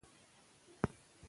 که نظم وي نو بد نظمي نه وي.